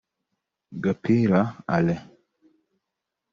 Gapira Alain